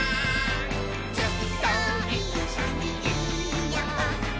「ずっといっしょにいようね」